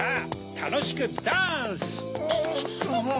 たのしくダンス！